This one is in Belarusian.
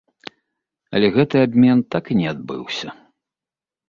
Але гэты абмен так і не адбыўся.